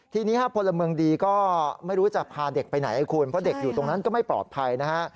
ทีนี้พลเมืองดีก็ไม่รู้จะพาเด็กไปไหนคุณเพราะเด็กอยู่ตรงนั้นก็ไม่ปลอดภัยนะฮะ